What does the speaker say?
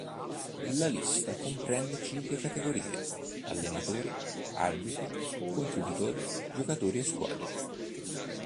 La lista comprende cinque categorie: allenatori, arbitri, contributori, giocatori e squadre.